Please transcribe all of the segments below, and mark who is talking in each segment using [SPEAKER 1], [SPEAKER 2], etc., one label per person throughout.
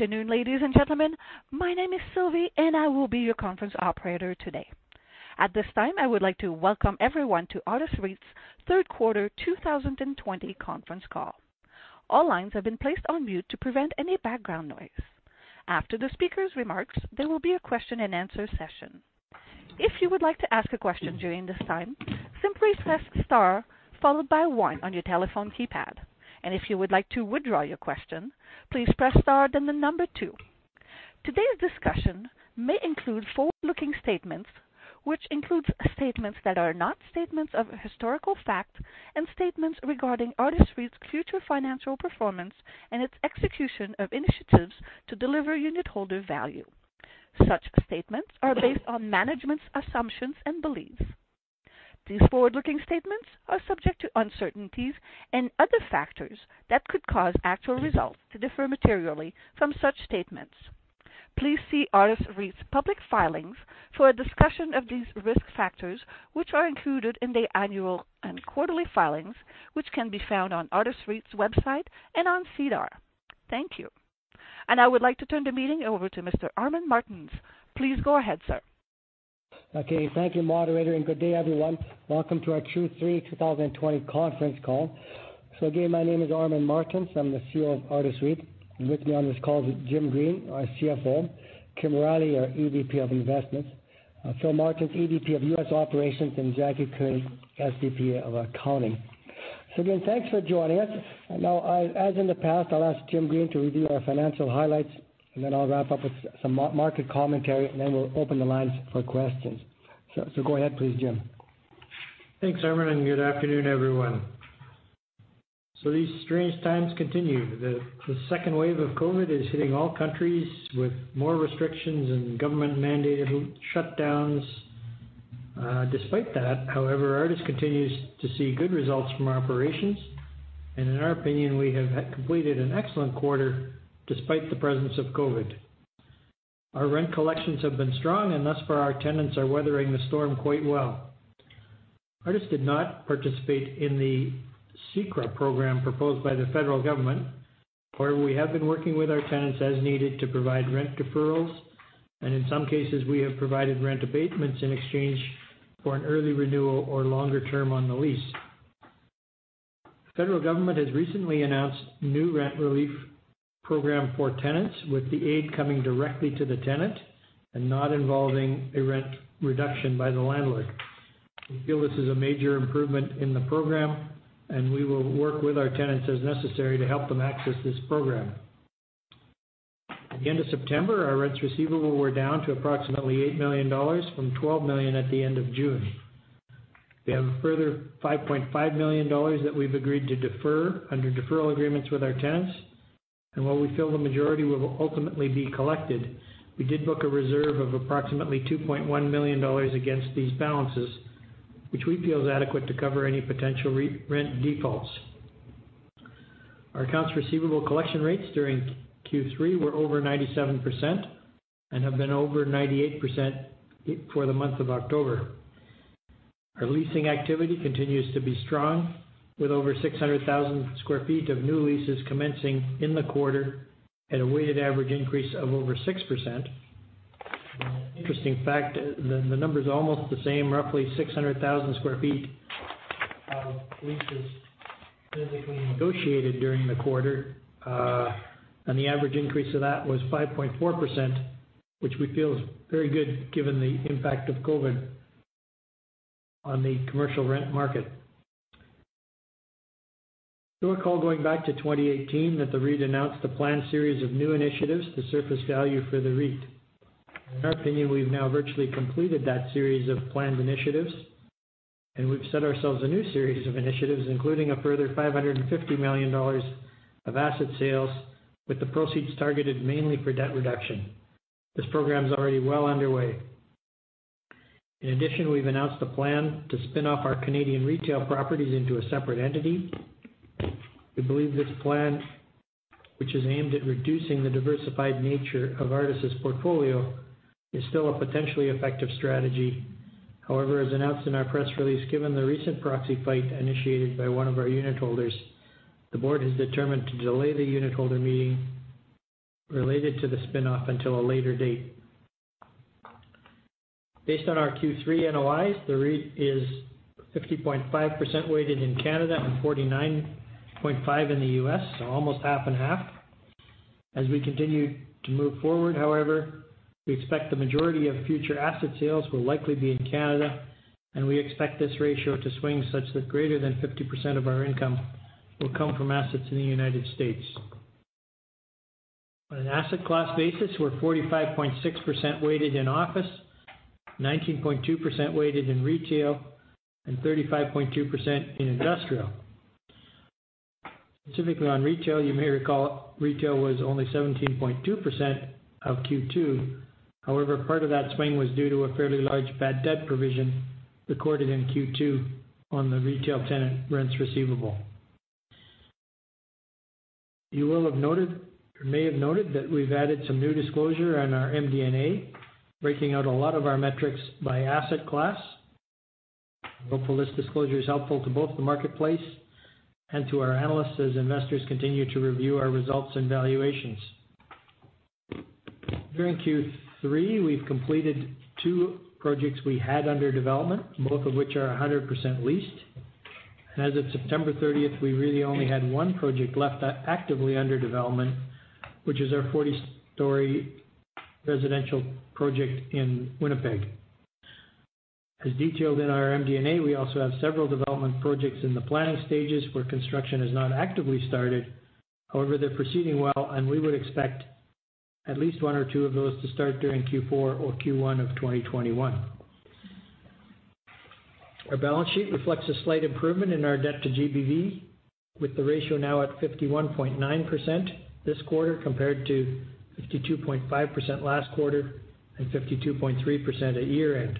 [SPEAKER 1] Good afternoon, ladies and gentlemen. My name is Sylvie, and I will be your conference operator today. At this time, I would like to welcome everyone to Artis REIT's third quarter 2020 conference call. All lines have been placed on mute to prevent any background noise. After the speaker's remarks, there will be a question and answer session. If you would like to ask a question during this time, simply press star followed by one on your telephone keypad. If you would like to withdraw your question, please press star, then the number two. Today's discussion may include forward-looking statements, which includes statements that are not statements of historical fact and statements regarding Artis REIT's future financial performance and its execution of initiatives to deliver unit holder value. Such statements are based on management's assumptions and beliefs. These forward-looking statements are subject to uncertainties and other factors that could cause actual results to differ materially from such statements. Please see Artis REIT's public filings for a discussion of these risk factors, which are included in the annual and quarterly filings, which can be found on Artis REIT's website and on SEDAR. Thank you. I would like to turn the meeting over to Mr. Armin Martens. Please go ahead, sir.
[SPEAKER 2] Okay. Thank you, moderator, and good day, everyone. Welcome to our Q3 2020 conference call. Again, my name is Armin Martens. I'm the CEO of Artis REIT, and with me on this call is Jim Green, our CFO, Kim Riley, our EVP of Investments, Philip Martens, EVP of U.S. Operations, and Jackie Curry, SVP of Accounting. Again, thanks for joining us. Now, as in the past, I'll ask Jim Green to review our financial highlights, and then I'll wrap up with some market commentary, and then we'll open the lines for questions. Go ahead please, Jim.
[SPEAKER 3] Thanks, Armin, good afternoon, everyone. These strange times continue. The second wave of COVID is hitting all countries with more restrictions and government-mandated shutdowns. Despite that, however, Artis continues to see good results from our operations. In our opinion, we have completed an excellent quarter despite the presence of COVID. Our rent collections have been strong, and thus far our tenants are weathering the storm quite well. Artis did not participate in the CECRA program proposed by the federal government. However, we have been working with our tenants as needed to provide rent deferrals, and in some cases, we have provided rent abatements in exchange for an early renewal or longer term on the lease. Federal government has recently announced new rent relief program for tenants with the aid coming directly to the tenant and not involving a rent reduction by the landlord. We feel this is a major improvement in the program, and we will work with our tenants as necessary to help them access this program. At the end of September, our rents receivable were down to approximately 8 million dollars from 12 million at the end of June. We have a further 5.5 million dollars that we've agreed to defer under deferral agreements with our tenants. While we feel the majority will ultimately be collected, we did book a reserve of approximately 2.1 million dollars against these balances, which we feel is adequate to cover any potential rent defaults. Our accounts receivable collection rates during Q3 were over 97% and have been over 98% for the month of October. Our leasing activity continues to be strong with over 600,000 sq ft of new leases commencing in the quarter at a weighted average increase of over 6%. An interesting fact, the number's almost the same, roughly 600,000 sq ft of leases physically negotiated during the quarter. The average increase of that was 5.4%, which we feel is very good given the impact of COVID on the commercial rent market. You'll recall going back to 2018 that the REIT announced a planned series of new initiatives to surface value for the REIT. In our opinion, we've now virtually completed that series of planned initiatives, and we've set ourselves a new series of initiatives, including a further 550 million dollars of asset sales with the proceeds targeted mainly for debt reduction. This program's already well underway. In addition, we've announced the plan to spin off our Canadian retail properties into a separate entity. We believe this plan, which is aimed at reducing the diversified nature of Artis' portfolio, is still a potentially effective strategy. As announced in our press release, given the recent proxy fight initiated by one of our unit holders, the board has determined to delay the unitholder meeting related to the spinoff until a later date. Based on our Q3 NOIs, the REIT is 50.5% weighted in Canada and 49.5% in the U.S., almost half and half. As we continue to move forward, however, we expect the majority of future asset sales will likely be in Canada, and we expect this ratio to swing such that greater than 50% of our income will come from assets in the United States. On an asset class basis, we're 45.6% weighted in office, 19.2% weighted in retail, and 35.2% in industrial. Specifically on retail, you may recall retail was only 17.2% of Q2. However, part of that swing was due to a fairly large bad debt provision recorded in Q2 on the retail tenant rents receivable. You will have noted or may have noted that we've added some new disclosure on our MD&A, breaking out a lot of our metrics by asset class. Hopefully this disclosure is helpful to both the marketplace and to our analysts as investors continue to review our results and valuations. During Q3, we've completed two projects we had under development, both of which are 100% leased. As of September 30th, we really only had one project left actively under development, which is our 40-story residential project in Winnipeg. As detailed in our MD&A, we also have several development projects in the planning stages where construction has not actively started. However, they're proceeding well and we would expect at least one or two of those to start during Q4 or Q1 of 2021. Our balance sheet reflects a slight improvement in our debt to GBV, with the ratio now at 51.9% this quarter compared to 52.5% last quarter and 52.3% at year-end.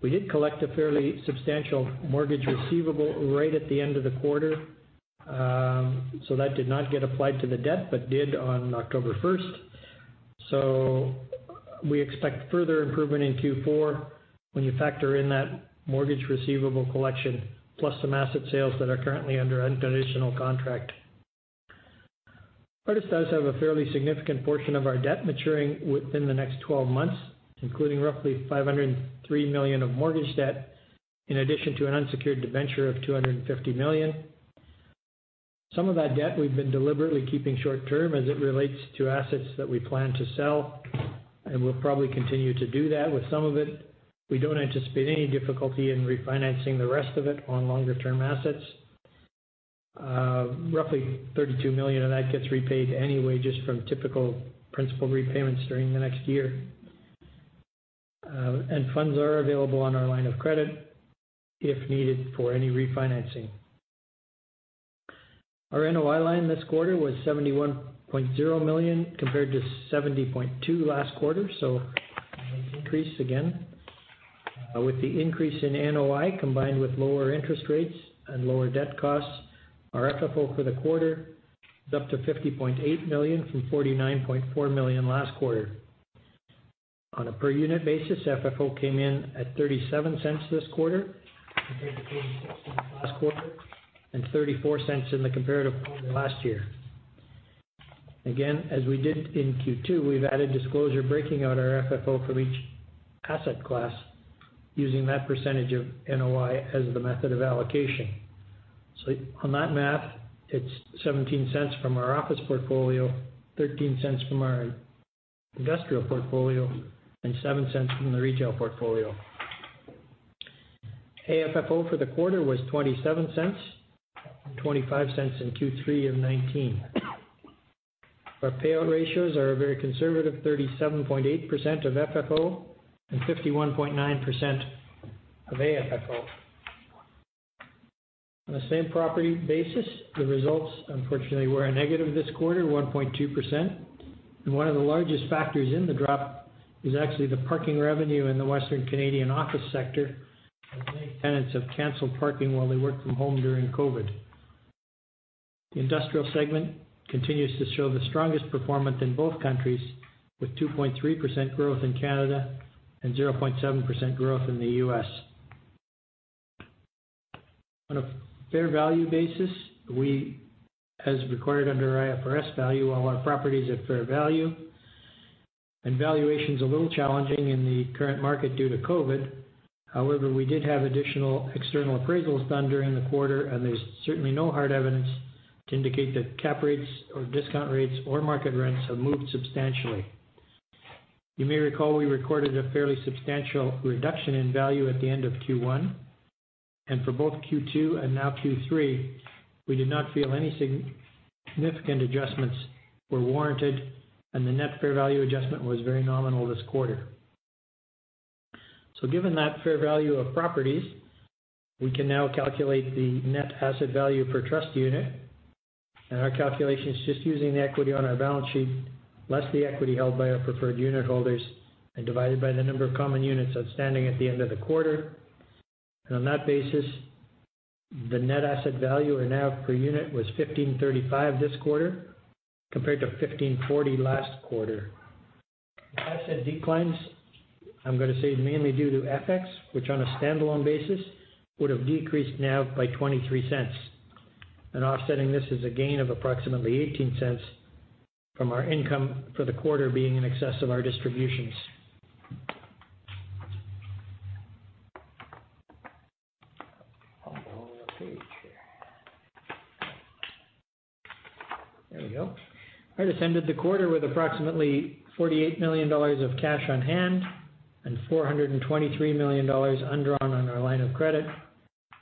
[SPEAKER 3] We did collect a fairly substantial mortgage receivable right at the end of the quarter. That did not get applied to the debt, but did on October 1st. We expect further improvement in Q4 when you factor in that mortgage receivable collection, plus some asset sales that are currently under an additional contract. Artis does have a fairly significant portion of our debt maturing within the next 12 months, including roughly 503 million of mortgage debt, in addition to an unsecured debenture of 250 million. Some of that debt we’ve been deliberately keeping short-term as it relates to assets that we plan to sell, and we’ll probably continue to do that with some of it. We don’t anticipate any difficulty in refinancing the rest of it on longer term assets. Roughly 32 million of that gets repaid anyway, just from typical principal repayments during the next year. Funds are available on our line of credit if needed for any refinancing. Our NOI line this quarter was 71.0 million compared to 70.2 million last quarter, so a nice increase again. With the increase in NOI combined with lower interest rates and lower debt costs, our FFO for the quarter is up to 50.8 million from 49.4 million last quarter. On a per unit basis, FFO came in at 0.37 this quarter compared to 0.36 last quarter, and 0.34 in the comparative quarter last year. Again, as we did in Q2, we've added disclosure breaking out our FFO from each asset class using that percentage of NOI as the method of allocation. On that math, it's 0.17 from our office portfolio, 0.13 from our industrial portfolio, and 0.07 from the retail portfolio. AFFO for the quarter was 0.27, and 0.25 in Q3 of 2019. Our payout ratios are a very conservative 37.8% of FFO and 51.9% of AFFO. On a same property basis, the results, unfortunately, were a negative this quarter, 1.2%, and one of the largest factors in the drop is actually the parking revenue in the Western Canadian office sector, as many tenants have canceled parking while they work from home during COVID. The industrial segment continues to show the strongest performance in both countries, with 2.3% growth in Canada and 0.7% growth in the U.S. On a fair value basis, we, as required under IFRS value all our properties at fair value. Valuation's a little challenging in the current market due to COVID. However, we did have additional external appraisals done during the quarter, and there's certainly no hard evidence to indicate that cap rates or discount rates or market rents have moved substantially. You may recall we recorded a fairly substantial reduction in value at the end of Q1. For both Q2 and now Q3, we did not feel any significant adjustments were warranted, and the net fair value adjustment was very nominal this quarter. Given that fair value of properties, we can now calculate the net asset value per trust unit. Our calculation is just using the equity on our balance sheet, less the equity held by our preferred unit holders and divided by the number of common units outstanding at the end of the quarter. On that basis, the net asset value or NAV per unit was 15.35 this quarter, compared to 15.40 last quarter. The asset declines, I'm going to say, is mainly due to FX, which on a standalone basis would have decreased NAV by 0.23. Offsetting this is a gain of approximately 0.18 from our income for the quarter being in excess of our distributions. On the wrong page here. There we go. Artis ended the quarter with approximately 48 million dollars of cash on hand and 423 million dollars undrawn on our line of credit.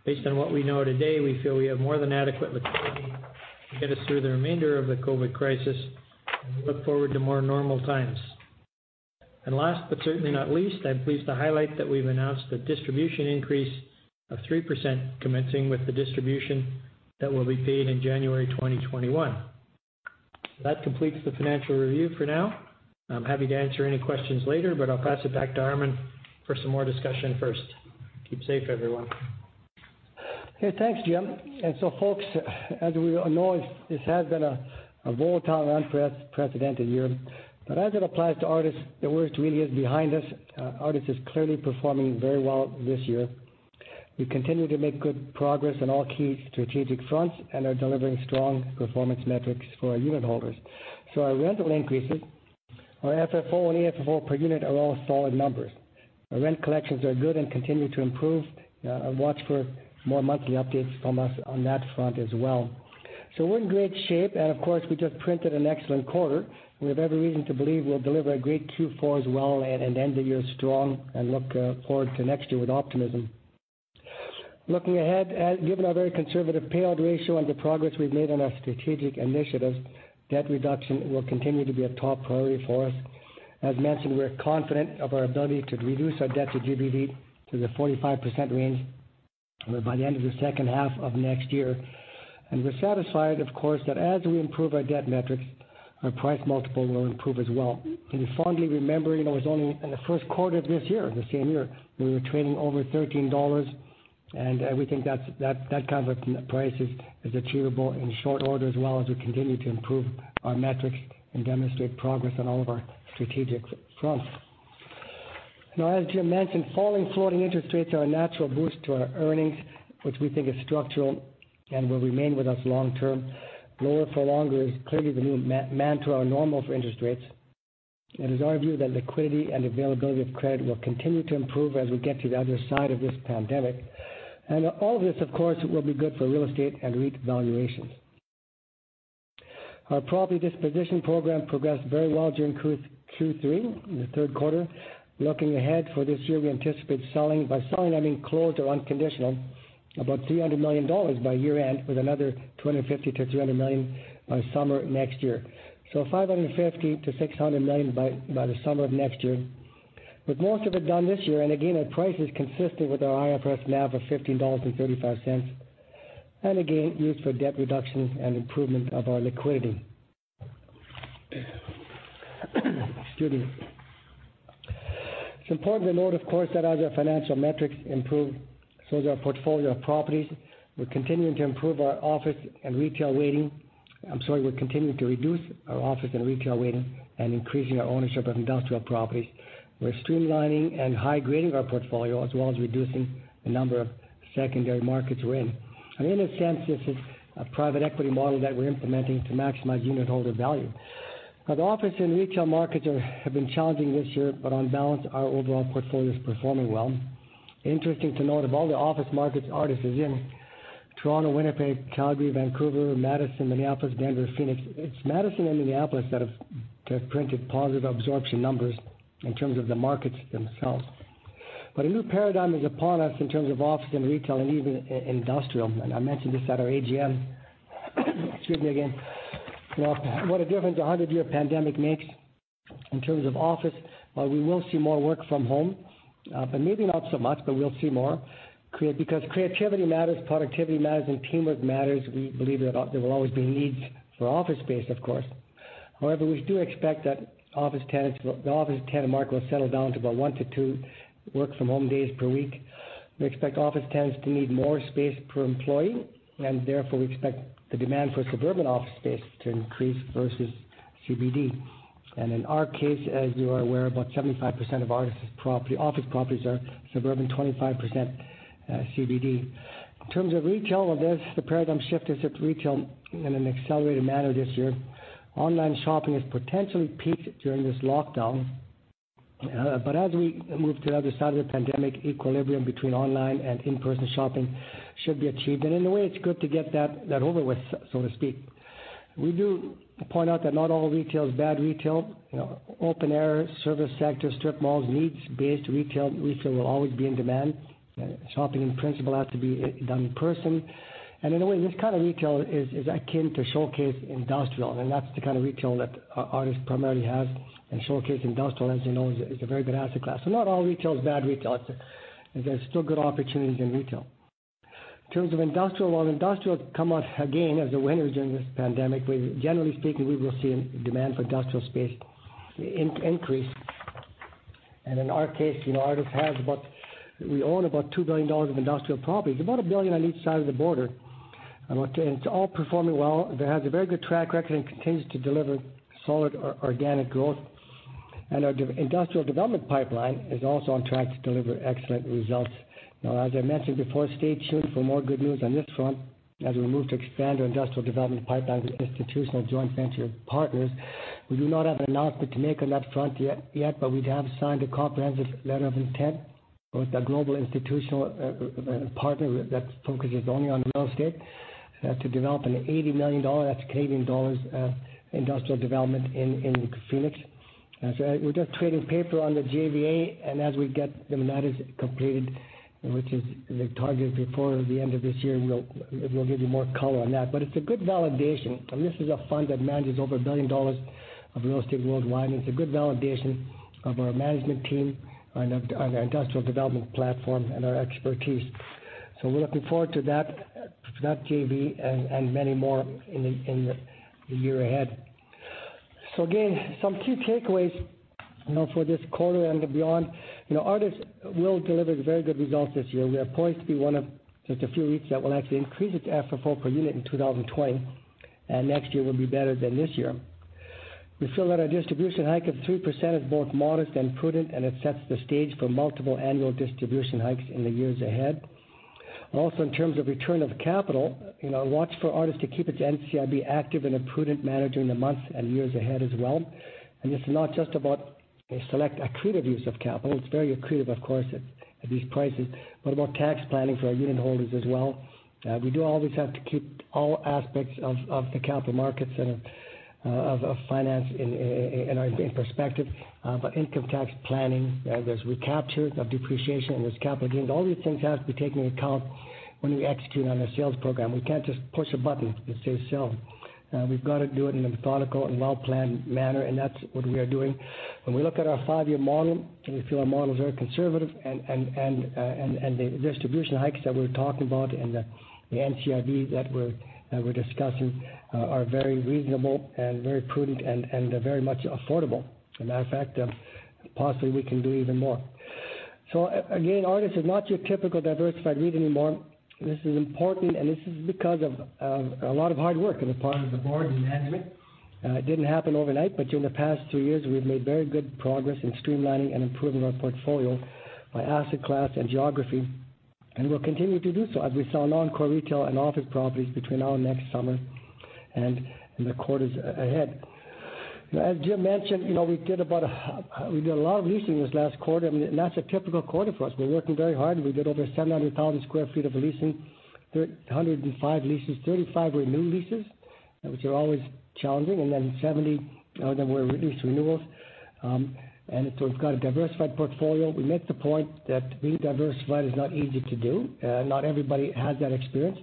[SPEAKER 3] Based on what we know today, we feel we have more than adequate liquidity to get us through the remainder of the COVID crisis, and we look forward to more normal times. Last but certainly not least, I'm pleased to highlight that we've announced a distribution increase of 3% commencing with the distribution that will be paid in January 2021. That completes the financial review for now. I'm happy to answer any questions later, but I'll pass it back to Armin for some more discussion first. Keep safe, everyone.
[SPEAKER 2] Hey, thanks, Jim. Folks, as we all know, this has been a volatile, unprecedented year. As it applies to Artis, the worst really is behind us. Artis is clearly performing very well this year. We continue to make good progress on all key strategic fronts and are delivering strong performance metrics for our unit holders. Our rental increases, our FFO and AFFO per unit are all solid numbers. Our rent collections are good and continue to improve. Watch for more monthly updates from us on that front as well. We're in great shape, and of course, we just printed an excellent quarter. We have every reason to believe we'll deliver a great Q4 as well and end the year strong and look forward to next year with optimism. Looking ahead, given our very conservative payout ratio and the progress we've made on our strategic initiatives, debt reduction will continue to be a top priority for us. As mentioned, we're confident of our ability to reduce our debt to GBV to the 45% range by the end of the second half of next year. We're satisfied, of course, that as we improve our debt metrics, our price multiple will improve as well. Fondly remembering it was only in the first quarter of this year, the same year, we were trading over 13 dollars, and we think that kind of price is achievable in short order as well as we continue to improve our metrics and demonstrate progress on all of our strategic fronts. Now, as Jim mentioned, falling floating interest rates are a natural boost to our earnings, which we think is structural and will remain with us long term. Lower for longer is clearly the new mantra or normal for interest rates. It is our view that liquidity and availability of credit will continue to improve as we get to the other side of this pandemic. All this, of course, will be good for real estate and REIT valuations. Our property disposition program progressed very well during Q3, in the third quarter. Looking ahead for this year, we anticipate selling, by selling I mean closed or unconditional, about 300 million dollars by year-end, with another 250 million-300 million by summer next year. 550 million-600 million by the summer of next year. With most of it done this year, and again, at prices consistent with our IFRS NAV of 15.35 dollars. Again, used for debt reduction and improvement of our liquidity. Excuse me. It's important to note, of course, that as our financial metrics improve, so does our portfolio of properties. We're continuing to improve our office and retail weighting. I'm sorry, we're continuing to reduce our office and retail weighting and increasing our ownership of industrial properties. We're streamlining and high-grading our portfolio, as well as reducing the number of secondary markets we're in. In a sense, this is a private equity model that we're implementing to maximize unit holder value. The office and retail markets have been challenging this year, but on balance, our overall portfolio is performing well. Interesting to note, of all the office markets Artis is in, Toronto, Winnipeg, Calgary, Vancouver, Madison, Minneapolis, Denver, Phoenix. It's Madison and Minneapolis that have printed positive absorption numbers in terms of the markets themselves. A new paradigm is upon us in terms of office and retail and even industrial. I mentioned this at our AGM. Excuse me again. What a difference a 100-year pandemic makes in terms of office. We will see more work from home, but maybe not so much, but we'll see more. Creativity matters, productivity matters, and teamwork matters. We believe there will always be needs for office space, of course. However, we do expect that the office tenant mark will settle down to about one to two work from home days per week. We expect office tenants to need more space per employee, and therefore we expect the demand for suburban office space to increase versus CBD. In our case, as you are aware, about 75% of Artis' office properties are suburban, 25% CBD. In terms of retail, the paradigm shift is at retail in an accelerated manner this year. Online shopping has potentially peaked during this lockdown. As we move to the other side of the pandemic, equilibrium between online and in-person shopping should be achieved. In a way, it's good to get that over with, so to speak. We do point out that not all retail is bad retail. Open air, service sector, strip malls, needs-based retail will always be in demand. Shopping in principle has to be done in person. In a way, this kind of retail is akin to showcase industrial, and that's the kind of retail that Artis primarily has. Showcase industrial, as you know, is a very good asset class. Not all retail is bad retail. There's still good opportunities in retail. In terms of industrial, well, industrial come out again as a winner during this pandemic. Generally speaking, we will see a demand for industrial space increase. In our case, we own about 2 billion dollars of industrial properties, about 1 billion on each side of the border. It's all performing well. It has a very good track record and continues to deliver solid organic growth. Our industrial development pipeline is also on track to deliver excellent results. Now, as I mentioned before, stay tuned for more good news on this front as we move to expand our industrial development pipeline with institutional joint venture partners. We do not have an announcement to make on that front yet, but we have signed a comprehensive letter of intent with a global institutional partner that focuses only on real estate to develop a 80 million dollar, that's Canadian dollars, industrial development in Phoenix. We're just trading paper on the JVA, and as we get that is completed, which is the target before the end of this year, we'll give you more color on that. It's a good validation. This is a fund that manages over 1 billion dollars of real estate worldwide, and it's a good validation of our management team and of our industrial development platform and our expertise. We're looking forward to that JV and many more in the year ahead. Artis will deliver very good results this year. We are poised to be one of just a few REITs that will actually increase its FFO per unit in 2020, and next year will be better than this year. We feel that our distribution hike of 3% is both modest and prudent, and it sets the stage for multiple annual distribution hikes in the years ahead. Also, in terms of return of capital, watch for Artis to keep its NCIB active in a prudent manner during the months and years ahead as well. It's not just about a select accretive use of capital. It's very accretive, of course, at these prices, but about tax planning for our unit holders as well. We do always have to keep all aspects of the capital markets and of finance in perspective. Income tax planning, there's recapture of depreciation, and there's capital gains. All these things have to be taken into account when we execute on a sales program. We can't just push a button that says sell. We've got to do it in a methodical and well-planned manner, and that's what we are doing. When we look at our five-year model, we feel our model is very conservative, and the distribution hikes that we're talking about and the NCIB that we're discussing are very reasonable and very prudent and very much affordable. A matter of fact, possibly we can do even more. Again, Artis is not your typical diversified REIT anymore. This is important, and this is because of a lot of hard work on the part of the board and management. It didn't happen overnight, but during the past two years, we've made very good progress in streamlining and improving our portfolio by asset class and geography, we'll continue to do so as we sell non-core retail and office properties between now and next summer and in the quarters ahead. As Jim mentioned, we did a lot of leasing this last quarter. That's a typical quarter for us. We're working very hard. We did over 700,000 sq ft of leasing, 105 leases, 35 were new leases, which are always challenging, then 70 that were released renewals. We've got a diversified portfolio. We make the point that being diversified is not easy to do. Not everybody has that experience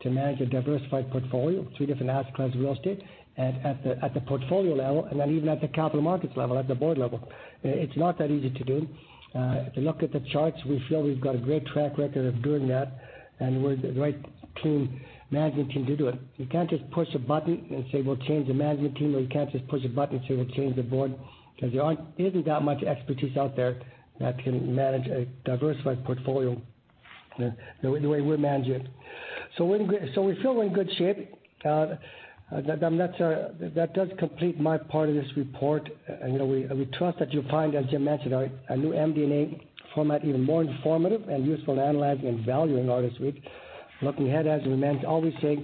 [SPEAKER 2] to manage a diversified portfolio, three different asset class real estate at the portfolio level then even at the capital markets level, at the board level. It's not that easy to do. If you look at the charts, we feel we've got a great track record of doing that, and we're the right team, managing team to do it. You can't just push a button and say, "We'll change the management team," or you can't just push a button and say, "We'll change the board." There isn't that much expertise out there that can manage a diversified portfolio the way we manage it. We feel we're in good shape. That does complete my part of this report, and we trust that you'll find, as Jim mentioned, our new MD&A format even more informative and useful in analyzing and valuing Artis REIT. Looking ahead, as we always say,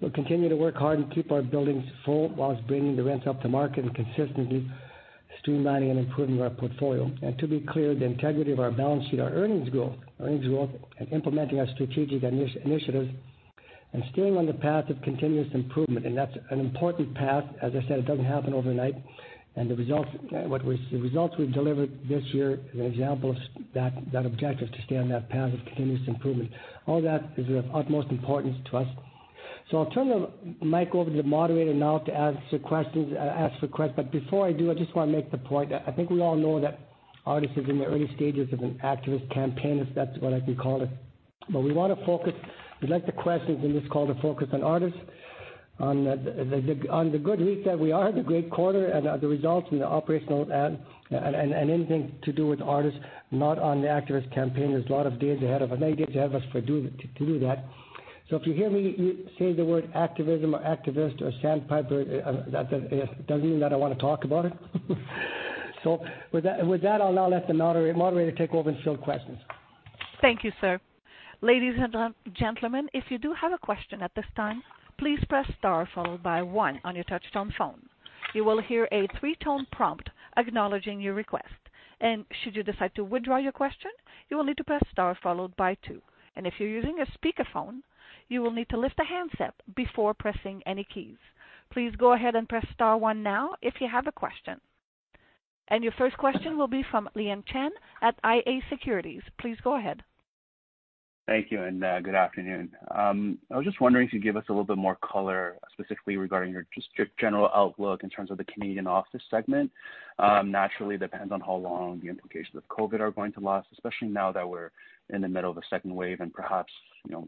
[SPEAKER 2] we'll continue to work hard and keep our buildings full whilst bringing the rents up to market and consistently streamlining and improving our portfolio. To be clear, the integrity of our balance sheet, our earnings growth, and implementing our strategic initiatives and staying on the path of continuous improvement, and that's an important path. As I said, it doesn't happen overnight, and the results we've delivered this year is an example of that objective to stay on that path of continuous improvement. All that is of utmost importance to us. I'll turn the mic over to the moderator now to ask the questions. Before I do, I just want to make the point. I think we all know that Artis is in the early stages of an activist campaign, if that's what I can call it. We want to focus. We'd like the questions in this call to focus on Artis, on the good REIT that we are, the great quarter, and the results and the operational and anything to do with Artis, not on the activist campaign. There's a lot of days ahead of us. Nine days ahead of us to do that. If you hear me say the word activism or activist or Sandpiper, it doesn't mean that I want to talk about it. With that, I'll now let the moderator take over and field questions.
[SPEAKER 1] Thank you, sir. Ladies and gentlemen, if you do have a question at this time, please press star followed by one on your touch-tone phone. You will hear a three-tone prompt acknowledging your request. Should you decide to withdraw your question, you will need to press star followed by two. If you're using a speakerphone, you will need to lift the handset before pressing any keys. Please go ahead and press star one now if you have a question. Your first question will be from Liam Chan at iA Securities. Please go ahead.
[SPEAKER 4] Thank you. Good afternoon. I was just wondering if you'd give us a little bit more color, specifically regarding your just general outlook in terms of the Canadian office segment. Naturally, it depends on how long the implications of COVID are going to last, especially now that we're in the middle of a second wave and perhaps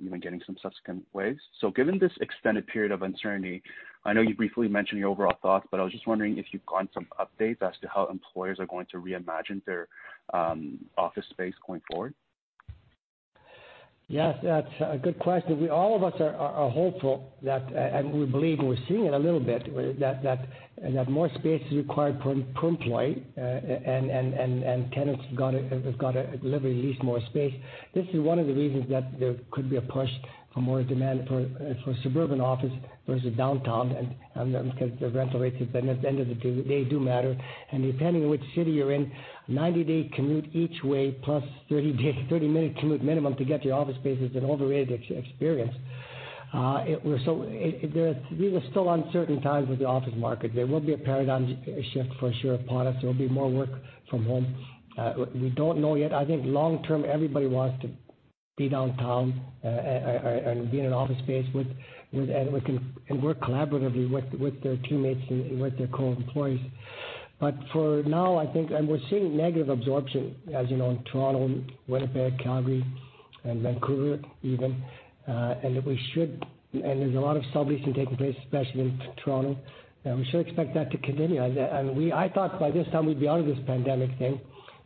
[SPEAKER 4] even getting some subsequent waves. Given this extended period of uncertainty, I know you briefly mentioned your overall thoughts, but I was just wondering if you've got some updates as to how employers are going to reimagine their office space going forward.
[SPEAKER 2] Yes, that's a good question. All of us are hopeful that, and we believe we're seeing it a little bit, that more space is required per employee, and tenants have got to deliberately lease more space. This is one of the reasons that there could be a push for more demand for suburban office versus downtown because the rental rates, at the end of the day, do matter. Depending on which city you're in, 90-day commute each way plus 30-minute commute minimum to get to your office space is an overrated experience. These are still uncertain times with the office market. There will be a paradigm shift for sure of products. There will be more work from home. We don't know yet. I think long term, everybody wants to be downtown and be in an office space and work collaboratively with their teammates and with their co-employees. But for now, I think we're seeing negative absorption, as you know, in Toronto, Winnipeg, Calgary, and Vancouver even. There's a lot of subleasing taking place, especially in Toronto. We should expect that to continue. I thought by this time we'd be out of this pandemic thing.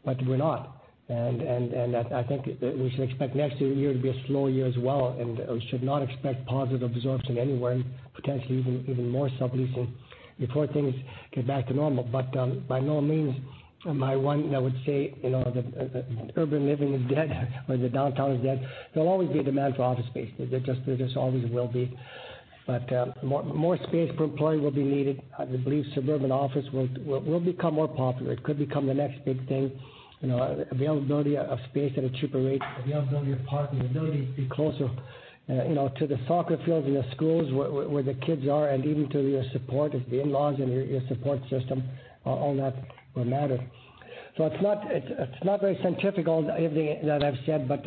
[SPEAKER 2] We're not. I think we should expect next year to be a slow year as well. We should not expect positive absorption anywhere, potentially even more subleasing before things get back to normal. By no means am I one that would say that urban living is dead or the downtown is dead. There'll always be a demand for office space. There just always will be. More space per employee will be needed. I believe suburban office will become more popular. It could become the next big thing. Availability of space at a cheaper rate, availability of parking, ability to be closer to the soccer fields and the schools where the kids are, and even to your support, your in-laws and your support system, all that will matter. It's not very scientific, everything that I've said, but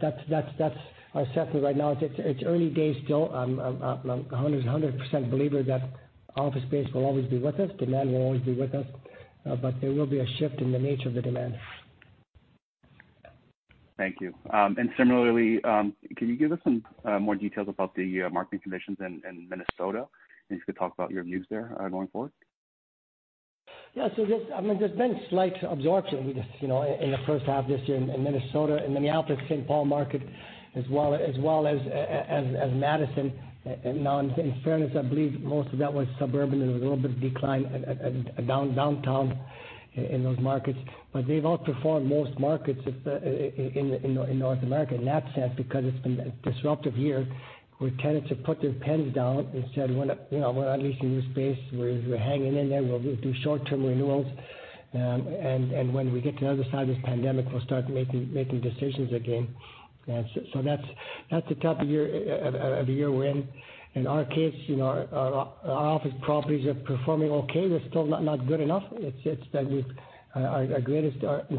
[SPEAKER 2] that's our assessment right now. It's early days still. I'm a 100% believer that office space will always be with us, demand will always be with us, but there will be a shift in the nature of the demand.
[SPEAKER 4] Thank you. Similarly, can you give us some more details about the marketing conditions in Minnesota? You could talk about your views there going forward.
[SPEAKER 2] Yeah. There's been slight absorption in the first half this year in Minnesota, in the Minneapolis-St. Paul market, as well as Madison. In fairness, I believe most of that was suburban. There was a little bit of decline downtown in those markets. They've outperformed most markets in North America in that sense, because it's been a disruptive year where tenants have put their pens down and said, "We're not leasing new space. We're hanging in there. We'll do short-term renewals. When we get to the other side of this pandemic, we'll start making decisions again." That's a tough year of a year when, in our case, our office properties are performing okay. They're still not good enough. In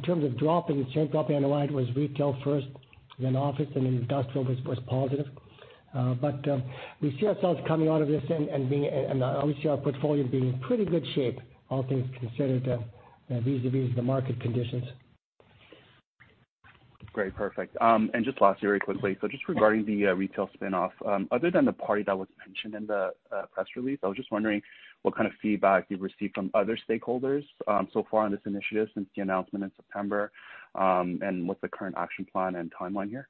[SPEAKER 2] terms of drop, the sharp drop on the line was retail first, then office, and then industrial was positive. We see ourselves coming out of this and we see our portfolio being in pretty good shape, all things considered, vis-a-vis the market conditions.
[SPEAKER 4] Great. Perfect. Just lastly, very quickly. Just regarding the retail spinoff. Other than the party that was mentioned in the press release, I was just wondering what kind of feedback you've received from other stakeholders so far on this initiative since the announcement in September, and what's the current action plan and timeline here?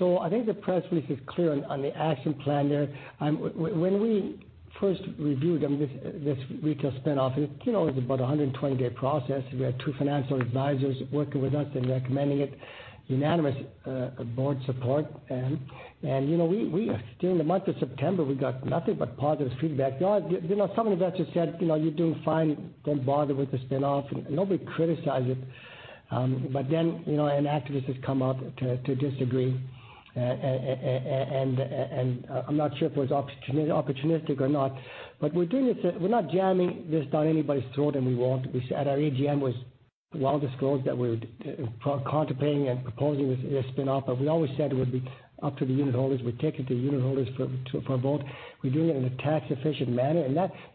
[SPEAKER 2] I think the press release is clear on the action plan there. When we first reviewed this retail spinoff, it's about a 120-day process. We had two financial advisors working with us and recommending it. Unanimous board support. During the month of September, we got nothing but positive feedback. Some investors said, "You're doing fine. Don't bother with the spinoff." Nobody criticized it. An activist has come out to disagree. I'm not sure if it was opportunistic or not. We're not jamming this down anybody's throat, and we won't. At our AGM was one of the slides that we were contemplating and proposing this spinoff, but we always said it would be up to the unit holders. We'd take it to unit holders for a vote. We're doing it in a tax-efficient manner.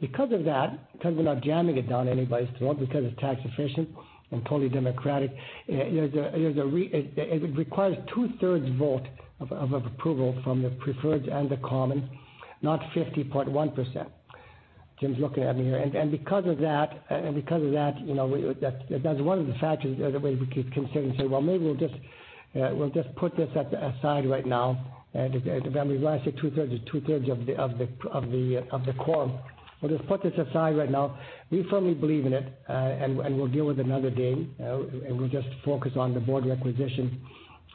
[SPEAKER 2] Because of that, because we're not jamming it down anybody's throat, because it's tax efficient and totally democratic, it requires two-thirds vote of approval from the preferred and the common, not 50.1%. Jim's looking at me here. Because of that's one of the factors that made the committee consider and say, "Well, maybe we'll just put this aside right now." When we say two-thirds, it's two-thirds of the quorum. We'll just put this aside right now. We firmly believe in it, and we'll deal with it another day, and we'll just focus on the board requisition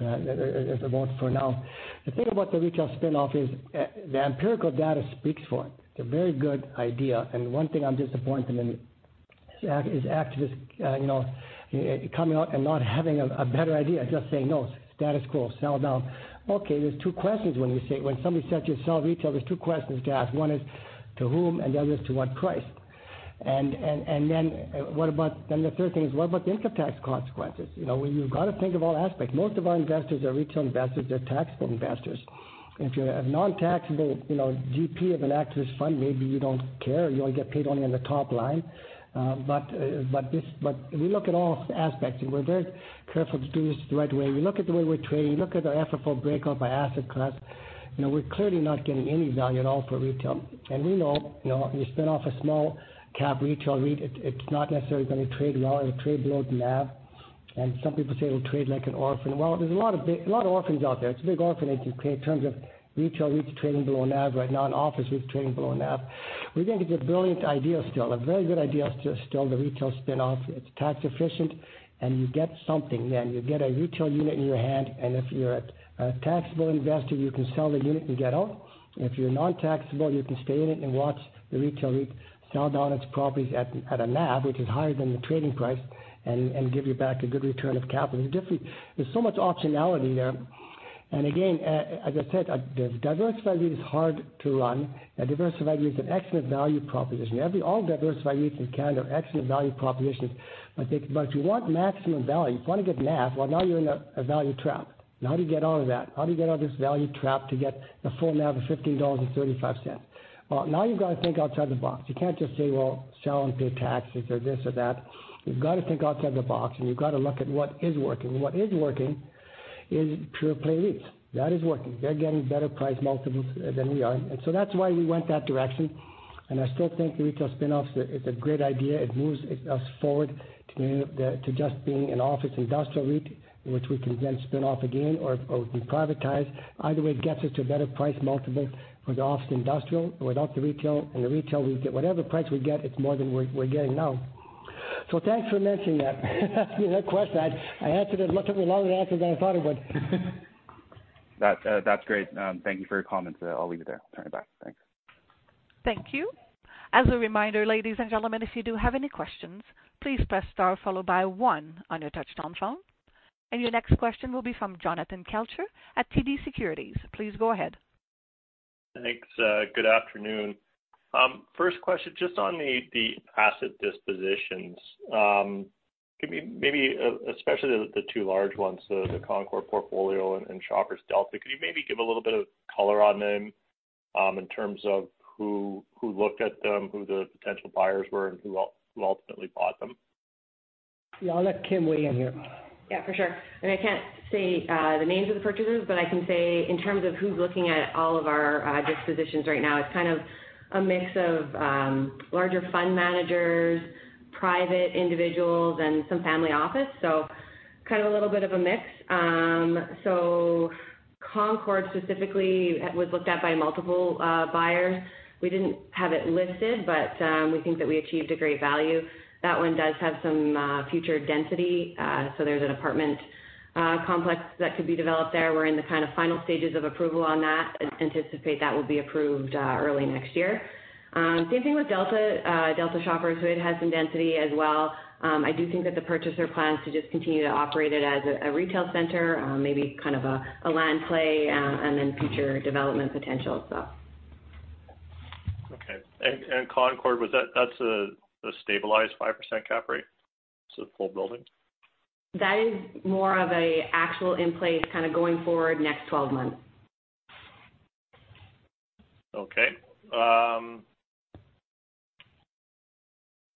[SPEAKER 2] vote for now. The thing about the retail spinoff is the empirical data speaks for it. It's a very good idea. The one thing I'm disappointed in is activists coming out and not having a better idea, just saying, "No. Status quo. Sell down." There's 2 questions when somebody says to sell retail. There's 2 questions to ask. One is to whom, and the other is to what price? Then the 3rd thing is, what about the income tax consequences? You've got to think of all aspects. Most of our investors are retail investors. They're taxable investors. If you're a non-taxable GP of an activist fund, maybe you don't care. You only get paid only on the top line. We look at all aspects, and we're very careful to do this the right way. We look at the way we're trading. We look at our FFO breakup by asset class. We're clearly not getting any value at all for retail. We know if you spin off a small-cap retail REIT, it's not necessarily going to trade well. It'll trade below the NAV. Some people say it'll trade like an orphan. There's a lot of orphans out there. It's a big orphanage in terms of retail REITs trading below NAV right now and office REITs trading below NAV. We think it's a brilliant idea still, a very good idea still, the retail spinoff. It's tax efficient, you get something then. You get a retail unit in your hand, and if you're a taxable investor, you can sell the unit and get out. If you're non-taxable, you can stay in it and watch the retail REIT sell down its properties at a NAV, which is higher than the trading price, and give you back a good return of capital. There's so much optionality there. Again, as I said, the diversified REIT is hard to run. A diversified REIT is an excellent value proposition. All diversified REITs in Canada are excellent value propositions. If you want maximum value, if you want to get NAV, well, now you're in a value trap. How do you get out of that? How do you get out of this value trap to get the full NAV of 15.35 dollars? Well, you've got to think outside the box. You can't just say, well, sell and pay taxes or this or that. You've got to think outside the box, and you've got to look at what is working. What is working is pure play REIT. That is working. They're getting better price multiples than we are. That's why we went that direction. I still think the retail spin-offs, it's a great idea. It moves us forward to just being an office industrial REIT, which we can then spin off again or we privatize. Either way, it gets us to a better price multiple for the office industrial without the retail. The retail REIT, whatever price we get, it's more than we're getting now. Thanks for mentioning that. Asking me that question. It took me a longer answer than I thought it would.
[SPEAKER 4] That's great. Thank you for your comments. I'll leave it there. Turn it back. Thanks.
[SPEAKER 1] Thank you. As a reminder, ladies and gentlemen, if you do have any questions, please press star followed by one on your touchtone phone. Your next question will be from Jonathan Kelcher at TD Securities. Please go ahead.
[SPEAKER 5] Thanks. Good afternoon. First question, just on the asset dispositions. Maybe especially the two large ones, the Concord portfolio and Shoppers Delta. Could you maybe give a little bit of color on them in terms of who looked at them, who the potential buyers were, and who ultimately bought them?
[SPEAKER 2] I'll let Kim weigh in here.
[SPEAKER 6] Yeah, for sure. I can't say the names of the purchasers, but I can say in terms of who's looking at all of our dispositions right now, it's kind of a mix of larger fund managers, private individuals, and some family office. Kind of a little bit of a mix. Concord specifically was looked at by multiple buyers. We didn't have it listed, but we think that we achieved a great value. That one does have some future density. There's an apartment complex that could be developed there. We're in the kind of final stages of approval on that and anticipate that will be approved early next year. Same thing with Delta Shoppers, it has some density as well. I do think that the purchaser plans to just continue to operate it as a retail center, maybe kind of a land play and then future development potential as well.
[SPEAKER 5] Okay. Concord, that's a stabilized 5% cap rate? The full building?
[SPEAKER 6] That is more of an actual in place kind of going forward next 12 months.
[SPEAKER 5] Okay.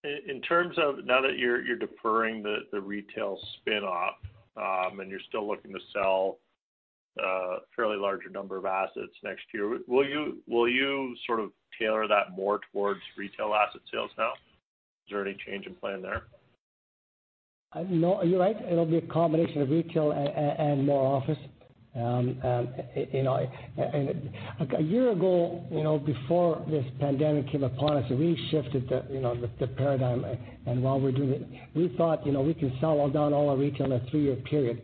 [SPEAKER 5] In terms of now that you're deferring the retail spin-off, you're still looking to sell a fairly larger number of assets next year, will you sort of tailor that more towards retail asset sales now? Is there any change in plan there?
[SPEAKER 2] No, you're right. It'll be a combination of retail and more office. A year ago, before this pandemic came upon us, we shifted the paradigm. While we're doing it, we thought we can sell all down all our retail in a three-year period.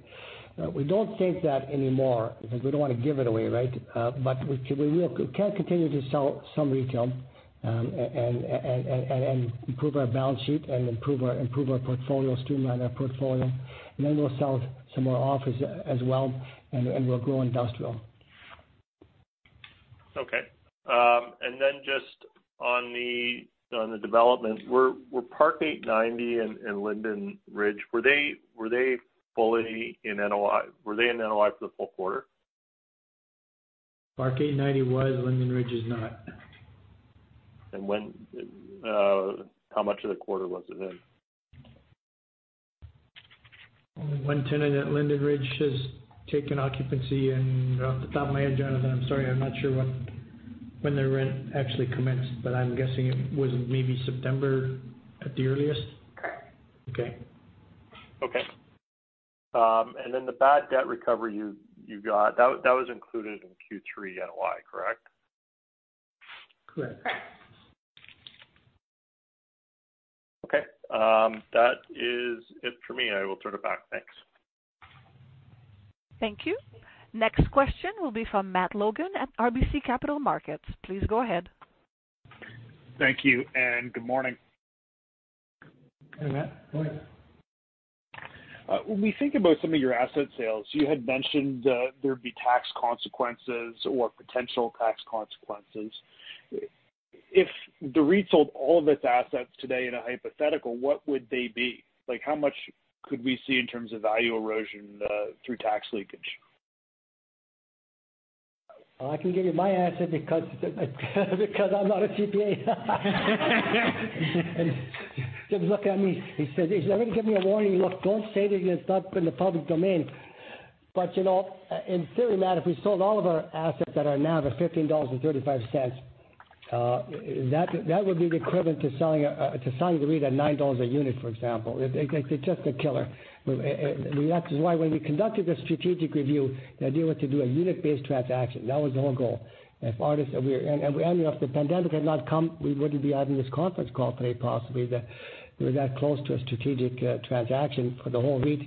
[SPEAKER 2] We don't think that anymore because we don't want to give it away. We can continue to sell some retail and improve our balance sheet and improve our portfolio, streamline our portfolio, and then we'll sell some more office as well, and we'll grow industrial.
[SPEAKER 5] Okay. Then just on the development, were Park 8Ninety and Linden Ridge, were they in NOI for the full quarter?
[SPEAKER 2] Park 8Ninety was. Linden Ridge is not.
[SPEAKER 5] How much of the quarter was it in?
[SPEAKER 2] One tenant at Linden Ridge has taken occupancy, and off the top of my head, Jonathan, I'm sorry, I'm not sure when their rent actually commenced, but I'm guessing it was maybe September at the earliest.
[SPEAKER 6] Correct.
[SPEAKER 2] Okay.
[SPEAKER 5] Okay. The bad debt recovery you got, that was included in Q3 NOI, correct?
[SPEAKER 2] Correct.
[SPEAKER 6] Correct.
[SPEAKER 5] Okay. That is it for me. I will turn it back. Thanks.
[SPEAKER 1] Thank you. Next question will be from Matthew Logan at RBC Capital Markets. Please go ahead.
[SPEAKER 7] Thank you, and good morning.
[SPEAKER 2] Hey, Matt. Go ahead.
[SPEAKER 7] When we think about some of your asset sales, you had mentioned there would be tax consequences or potential tax consequences. If the REIT sold all of its assets today in a hypothetical, what would they be? How much could we see in terms of value erosion through tax leakage?
[SPEAKER 2] I can give you my answer because I'm not a CPA. Jim's looking at me. He says, "Jonathan, give me a warning look. Don't say this stuff in the public domain." In theory, Matt, if we sold all of our assets that are now the 15.35, that would be the equivalent to selling the REIT at 9 dollars a unit, for example. It's just a killer. That is why when we conducted the strategic review, the idea was to do a unit-based transaction. That was the whole goal. If the pandemic had not come, we wouldn't be having this conference call today, possibly. We were that close to a strategic transaction for the whole REIT,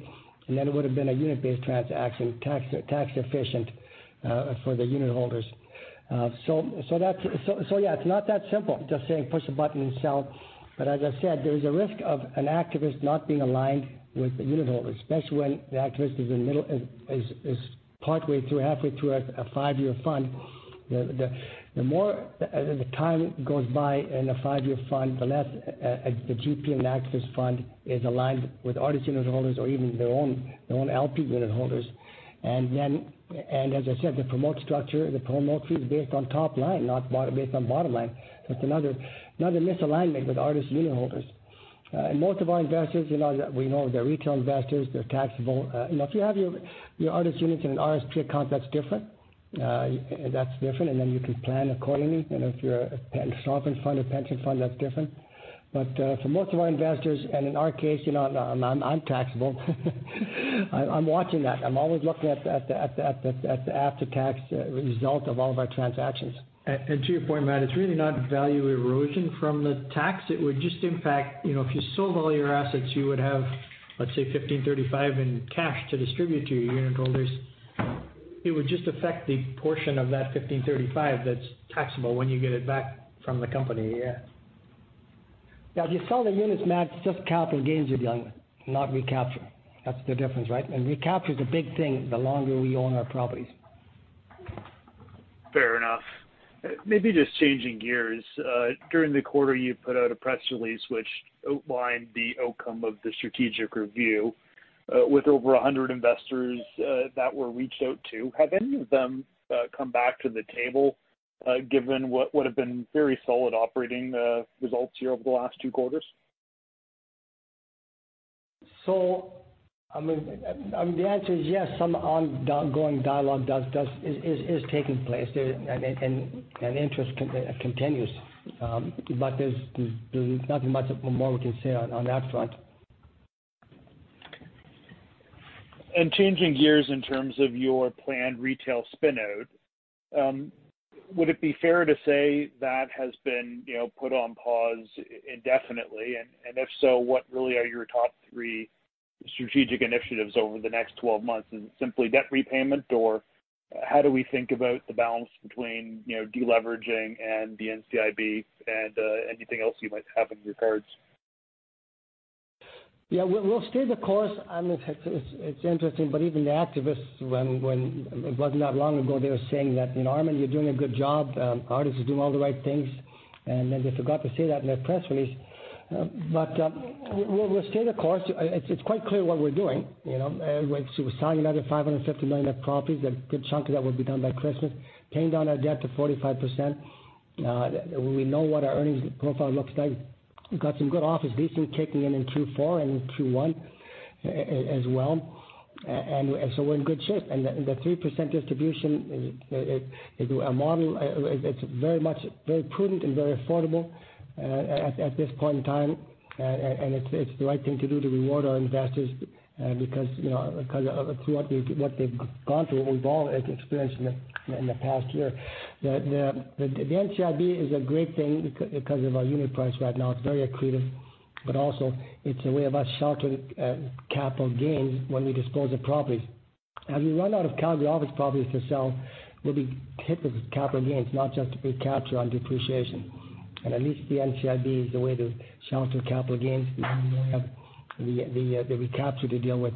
[SPEAKER 2] and then it would've been a unit-based transaction, tax efficient for the unitholders. Yeah, it's not that simple, just saying push a button and sell. As I said, there is a risk of an activist not being aligned with the unitholders, especially when the activist is partway through, halfway through a five-year fund. The more the time goes by in a five-year fund, the less the GP and the activist fund is aligned with Artis unitholders or even their own LP unitholders. As I said, the promote structure, the promote fee, is based on top line, not based on bottom line. That's another misalignment with Artis unitholders. Most of our investors, we know they're retail investors, they're taxable. If you have your Artis units in an RSP account, that's different. Then you can plan accordingly. If you're a sovereign fund, a pension fund, that's different. For most of our investors, and in our case, I'm taxable. I'm watching that. I'm always looking at the after-tax result of all of our transactions.
[SPEAKER 3] To your point, Matt, it's really not value erosion from the tax. It would just, in fact, if you sold all your assets, you would have, let's say, 15.35 in cash to distribute to your unitholders. It would just affect the portion of that 15.35 that's taxable when you get it back from the company. Yeah.
[SPEAKER 2] Now, if you sell the units, Matt, it's just capital gains again, not recapture. That's the difference, right? Recapture is a big thing, the longer we own our properties.
[SPEAKER 7] Fair enough. Maybe just changing gears. During the quarter, you put out a press release which outlined the outcome of the strategic review. With over 100 investors that were reached out to, have any of them come back to the table, given what have been very solid operating results here over the last two quarters?
[SPEAKER 2] The answer is yes, some ongoing dialogue is taking place. Interest continues. There's nothing much more we can say on that front.
[SPEAKER 7] Changing gears in terms of your planned retail spin-out. Would it be fair to say that has been put on pause indefinitely? If so, what really are your top three strategic initiatives over the next 12 months? Is it simply debt repayment, or how do we think about the balance between de-leveraging and the NCIB and anything else you might have in your cards?
[SPEAKER 2] Yeah. We'll stay the course. It's interesting, even the activists, when it was not long ago, they were saying that, "Armin, you're doing a good job. Artis is doing all the right things." Then they forgot to say that in their press release. We'll stay the course. It's quite clear what we're doing. We're selling another 550 million of properties, a good chunk of that will be done by Christmas, paying down our debt to 45%. We know what our earnings profile looks like. We've got some good office leasing kicking in in Q4 and Q1 as well. We're in good shape. The 3% distribution is a model. It's very prudent and very affordable at this point in time. It's the right thing to do to reward our investors because of what they've gone through, what we've all experienced in the past year. The NCIB is a great thing because of our unit price right now. It's very accretive. Also, it's a way of us sheltering capital gains when we dispose of properties. As we run out of Calgary office properties to sell, we'll be hit with capital gains, not just recapture on depreciation. At least the NCIB is a way to shelter capital gains because we won't have the recapture to deal with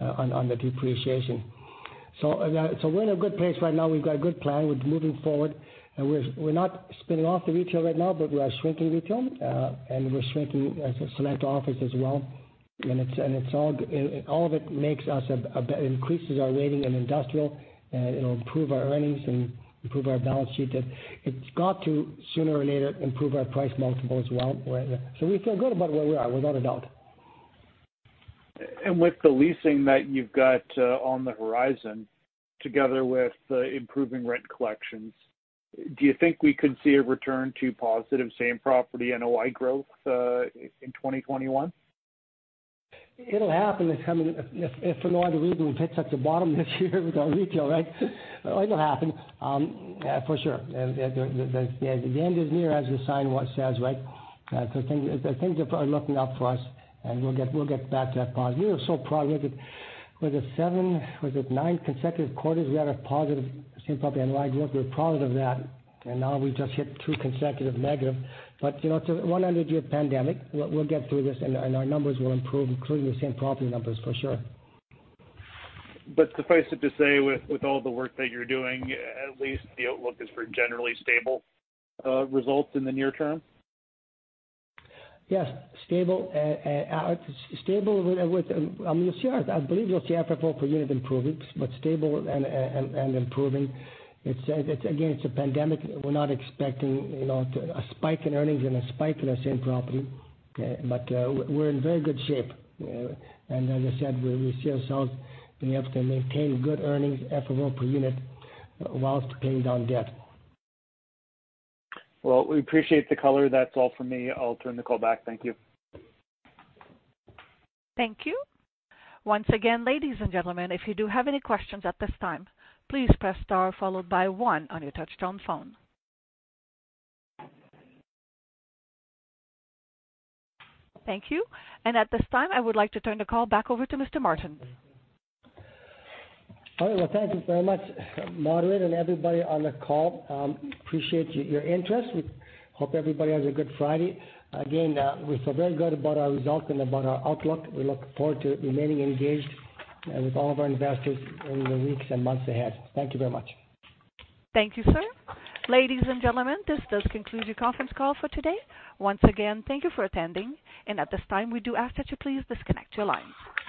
[SPEAKER 2] on the depreciation. We're in a good place right now. We've got a good plan. We're moving forward, and we're not spinning off the retail right now, but we are shrinking retail, and we're shrinking select office as well. All of it makes us, increases our weighting in industrial. It'll improve our earnings and improve our balance sheet. It's got to, sooner or later, improve our price multiple as well. We feel good about where we are, without a doubt.
[SPEAKER 7] With the leasing that you've got on the horizon, together with improving rent collections, do you think we could see a return to positive same property NOI growth in 2021?
[SPEAKER 2] It'll happen if for no other reason, we've hit such a bottom this year with our retail, right? It'll happen for sure. The end is near, as the sign says, right? Things are looking up for us, and we'll get back to that positive. We were so proud. Was it seven, was it nine consecutive quarters we had a positive same property NOI growth? We were proud of that. Now we just hit two consecutive negative. It's a one-in-100-year pandemic. We'll get through this, and our numbers will improve, including the same property numbers, for sure.
[SPEAKER 7] Suffice it to say, with all the work that you're doing, at least the outlook is for generally stable results in the near term?
[SPEAKER 2] Yes. Stable. I believe you'll see FFO per unit improving, stable and improving. Again, it's a pandemic. We're not expecting a spike in earnings and a spike in our same property. We're in very good shape. As I said, we see ourselves being able to maintain good earnings, FFO per unit, whilst paying down debt.
[SPEAKER 7] Well, we appreciate the color. That's all for me. I'll turn the call back. Thank you.
[SPEAKER 1] Thank you. At this time, I would like to turn the call back over to Mr. Martens.
[SPEAKER 2] All right. Well, thank you very much, moderator, and everybody on the call. Appreciate your interest. We hope everybody has a good Friday. Again, we feel very good about our results and about our outlook. We look forward to remaining engaged with all of our investors in the weeks and months ahead. Thank you very much.
[SPEAKER 1] Thank you, sir. Ladies and gentlemen, this does conclude your conference call for today. Once again, thank you for attending. At this time, we do ask that you please disconnect your lines.